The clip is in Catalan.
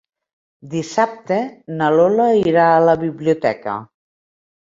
Dissabte na Lola irà a la biblioteca.